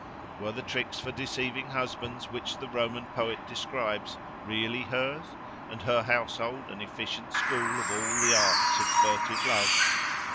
Were the tricks for deceiving husbands which the Roman poet describes, really hers, and her household an efficient school of all the arts of furtive love?